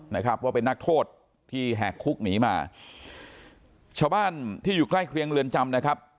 นะครับว่าเป็นนักโทษที่แหกคุกหนีมาชาวบ้านที่อยู่ใกล้เคียงเรือนจำนะครับ